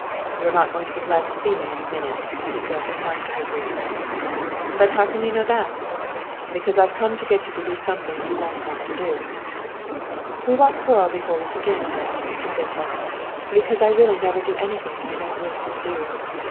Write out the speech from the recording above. "You're not going to be glad to see me in a minute," he said in reply to her greeting. "How can you know that?" "Because I've come to get you to do something you won't want to do." "We won't quarrel before we begin, then," she said pleasantly. "Because I really never do anything I don't wish to do."